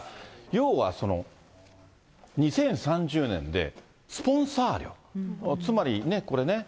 要は、２０３０年でスポンサー料、つまり、これね。